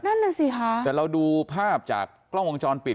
นั่นน่ะสิคะแต่เราดูภาพจากกล้องวงจรปิด